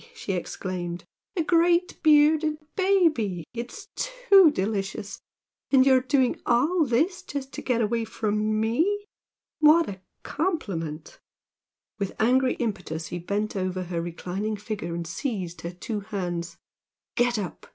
she exclaimed "A big bearded baby! It's too delicious! And you're doing all this just to get away from ME! What a compliment!" With angry impetus he bent over her reclining figure and seized her two hands. "Get up!"